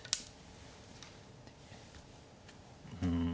うん。